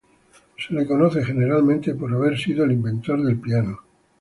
Es reconocido, generalmente, por haber sido el inventor del piano.